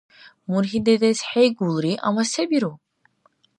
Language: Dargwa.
Мургьи дедес хӀейгулри, амма се биру?